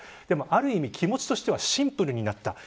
でも、ある意味、気持ちとしてはシンプルとなった。